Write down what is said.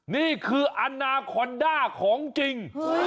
นี่คืออันนาคอนด้าของจริง